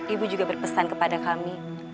ibu juga berpesan kepada kami